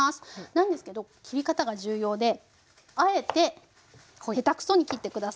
なんですけど切り方が重要であえてこう下手くそに切って下さい。